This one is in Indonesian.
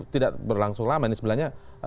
tidak berlangsung lama ini sebenarnya